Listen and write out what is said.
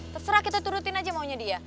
terserah kita turutin aja maunya dia